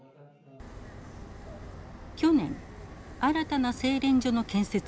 去年新たな製錬所の建設を発表。